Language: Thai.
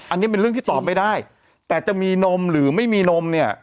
อันนี้เป็นเรื่องที่ตอบไม่ได้แต่จะมีนมหรือไม่มีนมเนี่ย